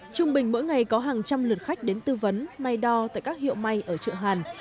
trung bình mỗi ngày có hàng trăm lượt khách đến tư vấn may đo tại các hiệu may ở chợ hàn